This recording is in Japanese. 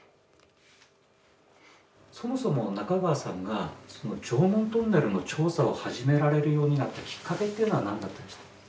そもそも中川さんがその常紋トンネルの調査を始められるようになったきっかけっていうのは何だったんですか？